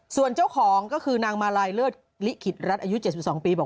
ส่วนเจ้าของนางมารายเลือดลิขิตรัศน์อายุ๗๒ปี